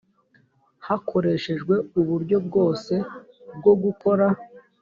hakoreshejwe uburyo bwose bwo gukora